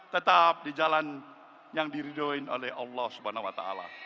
tetap di jalan yang diridoin oleh allah swt